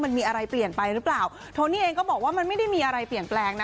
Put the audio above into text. มันมีอะไรเปลี่ยนไปหรือเปล่าโทนี่เองก็บอกว่ามันไม่ได้มีอะไรเปลี่ยนแปลงนะ